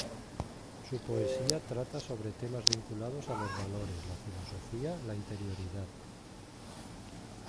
Su poesía trata sobre temas vinculados a los valores, la filosofía, la interioridad.